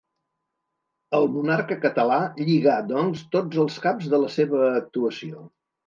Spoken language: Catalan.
El monarca català lligà, doncs, tots els caps de la seva actuació.